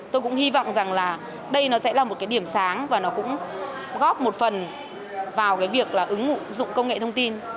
tôi cũng hy vọng rằng là đây nó sẽ là một cái điểm sáng và nó cũng góp một phần vào cái việc là ứng dụng công nghệ thông tin